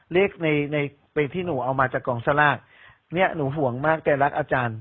เลขในในที่หนูเอามาจากกองสลากเนี่ยหนูห่วงมากแกรักอาจารย์